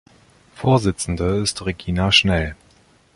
Vorsitzende ist Regina Schnell.